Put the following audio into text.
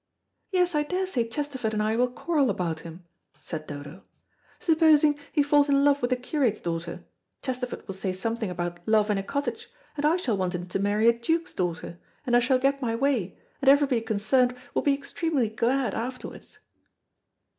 "Yes, I daresay Chesterford and I will quarrel about him," said Dodo. "Supposing he falls in love with a curate's daughter, Chesterford will say something about love in a cottage, and I shall want him to marry a duke's daughter, and I shall get my way, and everybody concerned will be extremely glad afterwards."